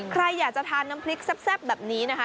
ใครอยากจะทานน้ำพริกแซ่บแบบนี้นะคะ